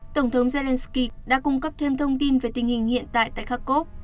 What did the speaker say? tổng thống zelensky đã cung cấp thêm thông tin về tình hình hiện tại tại kharkov